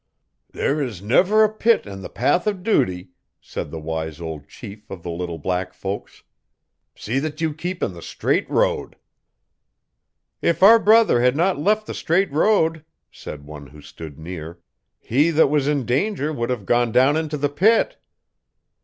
'There is never a pit in the path o' duty,' said the wise old chief of the little black folks. 'See that you keep in the straight road.' 'If our brother had not left the straight road,' said one who stood near, 'he that was in danger would have gone down into the pit.'